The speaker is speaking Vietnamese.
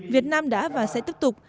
việt nam đã và sẽ tiếp tục